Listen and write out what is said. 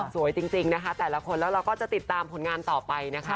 สวยจริงนะคะแต่ละคนแล้วเราก็จะติดตามผลงานต่อไปนะคะ